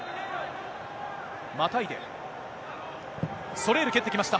またいで、ソレール、蹴ってきました。